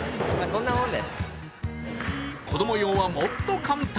子供用はもっと簡単。